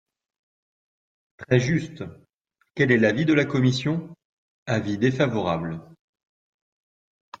Très juste ! Quel est l’avis de la commission ? Avis défavorable.